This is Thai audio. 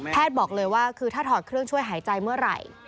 บอกเลยว่าคือถ้าถอดเครื่องช่วยหายใจเมื่อไหร่